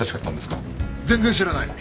全然知らない。